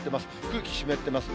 空気湿ってます。